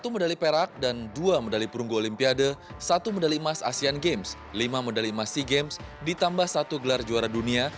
satu medali perak dan dua medali perunggu olimpiade satu medali emas asean games lima medali emas sea games ditambah satu gelar juara dunia